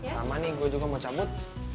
sama nih gue juga mau cabut